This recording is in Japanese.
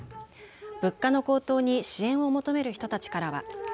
物価の高騰に支援を求める人たちからは。